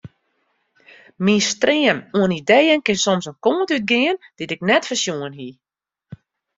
Myn stream oan ideeën kin soms in kant útgean dy't ik net foarsjoen hie.